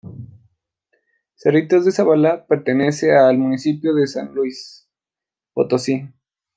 Cerritos de Zavala pertenece a el Municipio de San Luis Potosí.